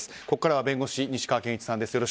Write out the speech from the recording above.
ここからは弁護士西川研一さんです。